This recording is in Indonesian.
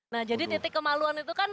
nah jadi titik kemaluan itu kan